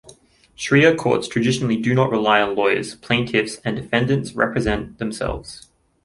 Sharia courts traditionally do not rely on lawyers; plaintiffs and defendants represent themselves.